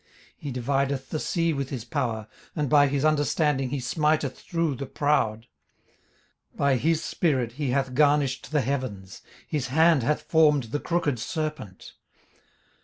18:026:012 He divideth the sea with his power, and by his understanding he smiteth through the proud. 18:026:013 By his spirit he hath garnished the heavens; his hand hath formed the crooked serpent.